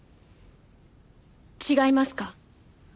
違いますか？